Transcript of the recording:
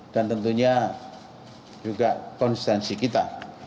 dan tentunya juga konsistensi kita